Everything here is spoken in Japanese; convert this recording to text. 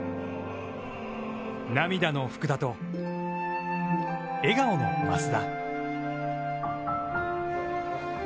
涙の福田と、笑顔の増田。